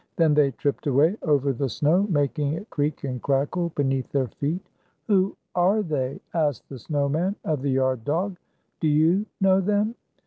Then they tripped away over the snow, making it creak and crackle beneath their feet. "Who are they?" asked the snow man of the yard dog. "Do you know them?"